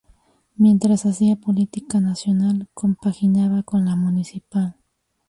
Mientras hacia política nacional, compaginaba con la municipal.